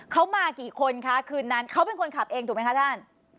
เขามากี่คนคะคืนนั้นเขาเป็นคนขับเองถูกไหมคะท่าน